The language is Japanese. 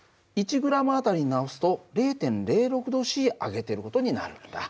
１ｇあたりに直すと０．０６℃上げてる事になるんだ。